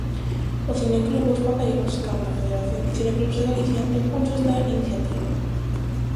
O cineclub Os Papeiros, canda á Federación de Cineclubs de Galicia impulsa esta iniciativa.